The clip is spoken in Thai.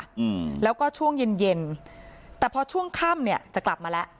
อืมแล้วก็ช่วงเย็นเย็นแต่พอช่วงค่ำเนี้ยจะกลับมาแล้ว